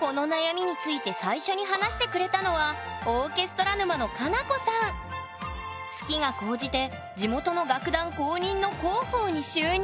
この悩みについて最初に話してくれたのは好きが高じて地元の楽団公認の広報に就任。